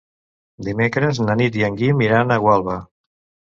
Dimecres na Nit i en Guim iran a Gualba.